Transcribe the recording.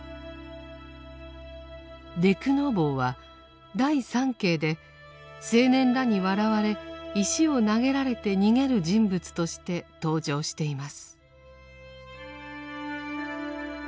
「土偶坊」は第三景で青年らに笑われ石を投げられて逃げる人物として登場しています。